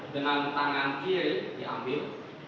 dengan tangan kiri diambil